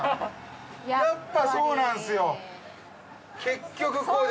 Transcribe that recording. やっぱそうなんすよ。